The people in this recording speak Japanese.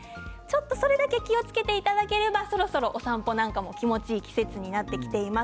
それだけ気をつけていただければそろそろ、お散歩なんかも気持ちいい季節になってきています。